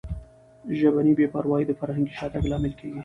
ژبني بې پروایي د فرهنګي شاتګ لامل کیږي.